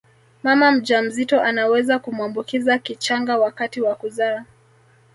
Mama mjamzito anaweza kumwambukiza kichanga wakati wa kuzaa